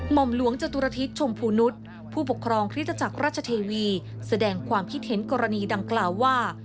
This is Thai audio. ห่อมหลวงจตุรทิศชมพูนุษย์ผู้ปกครองคริสตจักรราชเทวีแสดงความคิดเห็นกรณีดังกล่าวว่า